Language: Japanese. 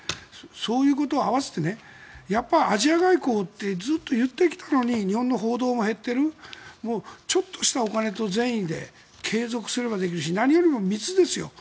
そういうことを合わせてアジア外交ってずっと言ってきたのに日本の報道も減っているちょっとしたお金と善意で継続すればできるし何よりも水ですよ。